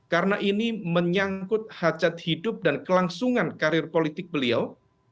karena ini menyangkut hajat hidup dan kelangsungan karir politik beliau